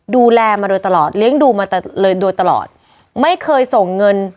ดูแลมาโดยตลอดเลี้ยงดูมาเลยโดยตลอดไม่เคยส่งเงิน